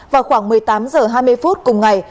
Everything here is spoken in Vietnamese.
vào khoảng một mươi tám h hai mươi phút cùng ngày